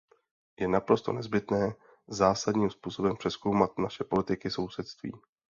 Je naprosto nezbytné zásadním způsobem přezkoumat naše politiky sousedství.